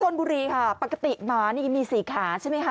ชนบุรีค่ะปกติหมานี่มี๔ขาใช่ไหมคะ